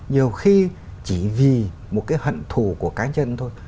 nhiều khi chỉ vì một cái hận thù của cá nhân thôi